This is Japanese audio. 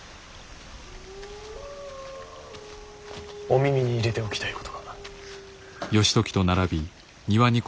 お耳に入れておきたいことが。